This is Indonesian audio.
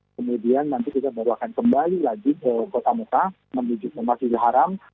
kemudian nanti kita bawa kembali lagi ke kota muka menuju ke masjid haram